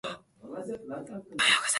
おはようございますご主人様